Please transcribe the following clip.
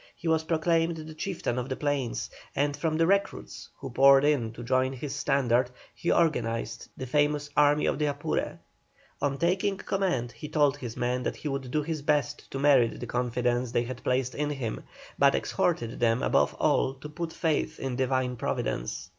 He was proclaimed the chieftain of the plains, and from the recruits who poured in to join his standard he organized the famous Army of the Apure. On taking command he told his men that he would do his best to merit the confidence they had placed in him, but exhorted them above all to put faith in Divine Providence.